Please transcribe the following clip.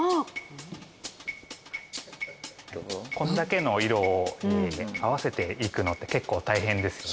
こんだけの色を合わせていくのって結構大変ですよね。